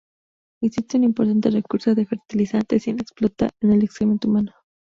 Existe un importante recurso de fertilizante sin explotar en el excremento humano.